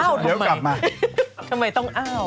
โอ้โอ้โอ้